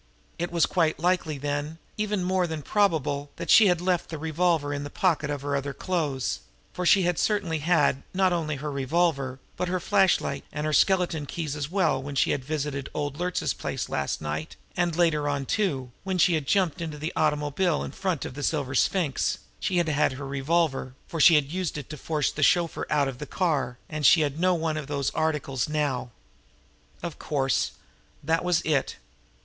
It was quite likely then, even more than probable, that she had left the revolver in the pocket of her other clothes; for she had certainly had, not only her revolver, but her flashlight and her skeleton keys with her when she had visited old Luertz's place last night, and later on too, when she had jumped into that automobile in front of the Silver Sphinx, she had had her revolver, for she had used it to force the chauffeur out of the car and she had no one of those articles now. Of course! That was it!